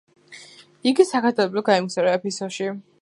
იგი საქადაგებლად გაემგზავრა ეფესოში.